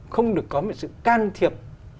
không được có một sự can thiệp